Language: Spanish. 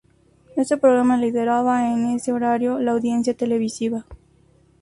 Este programa lideraba en ese horario la audiencia televisiva.